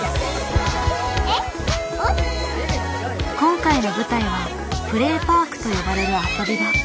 今回の舞台は「プレーパーク」と呼ばれる遊び場。